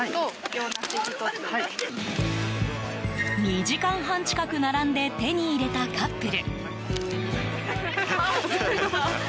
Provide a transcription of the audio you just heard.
２時間半近く並んで手に入れたカップル。